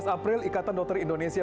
tujuh belas april ikatan dokter indonesia